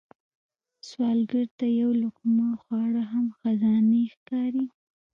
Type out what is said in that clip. سوالګر ته یو لقمه خواړه هم خزانې ښکاري